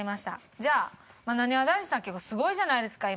じゃあなにわ男子さん結構すごいじゃないですか今。